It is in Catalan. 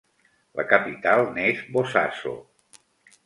La capital n'és Bosaso.